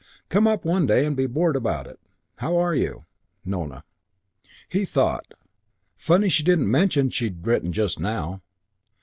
Come up one day and be bored about it. How are you? Nona. He thought: "Funny she didn't mention she'd written just now.